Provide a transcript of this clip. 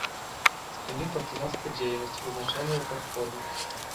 Спыніў партызанскую дзейнасць, узначальваў падполле.